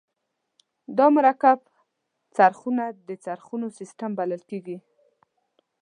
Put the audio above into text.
دا مرکب څرخونه د څرخونو سیستم بلل کیږي.